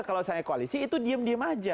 kalau saya koalisi itu diem diem aja